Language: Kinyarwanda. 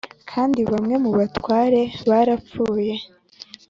Kandi bamwe mu batware barapfuye